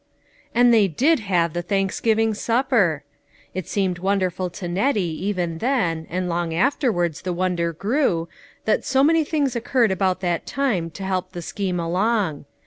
A NT) they did have the Thanksgiving sup per ! It seemed wonderful to Nettie, even then, and long afterwards the wonder grew, that so many things occurred about that time to help the scheme along.